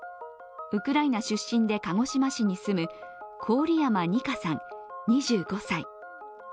ウクライナ出身で鹿児島市に住む郡山虹夏さん、２５歳。